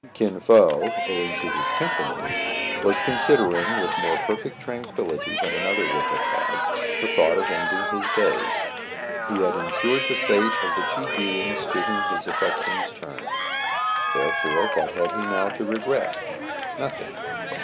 Kin Fo, owing to his temperament, was consid ering, with more perfect tranquillity than another would have hadj the thought of ending his days. He had insured the fate of the two beings to 72 TRIBULATIONS OF A CHINAMAN. whom his affections turned. Therefore what had he now to regret? Nothing.